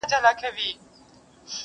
o يوه ورځ ديد، بله ورځ شناخت٫